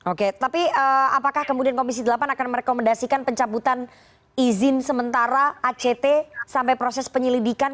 oke tapi apakah kemudian komisi delapan akan merekomendasikan pencabutan izin sementara act sampai proses penyelidikan